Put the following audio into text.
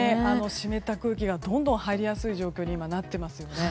湿った空気がどんどん入りやすい状況になっていますね。